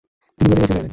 তিনি মদীনায় চলে এলেন।